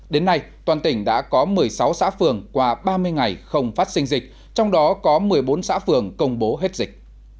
đến nay toàn tỉnh đã có một mươi sáu xã phường qua ba mươi ngày không phát sinh dịch trong đó có một mươi bốn xã phường công bố hết dịch